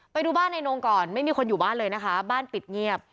ไปดูบ้านในนงก่อนไม่มีคนอยู่บ้านเลยนะคะบ้านปิดเงียบ